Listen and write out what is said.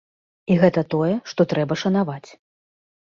І гэта тое, што трэба шанаваць.